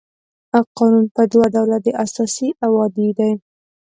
قانون په دوه ډوله اساسي او عادي دی.